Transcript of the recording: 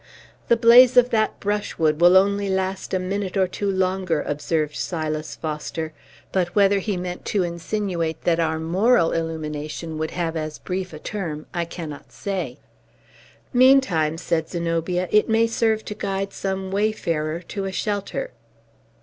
"The blaze of that brushwood will only last a minute or two longer," observed Silas Foster; but whether he meant to insinuate that our moral illumination would have as brief a term, I cannot say. "Meantime," said Zenobia, "it may serve to guide some wayfarer to a shelter."